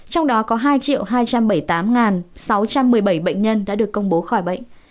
trong đó có hai hai trăm bảy mươi tám sáu trăm một mươi bảy bệnh nhân đã được công bố khỏi bệnh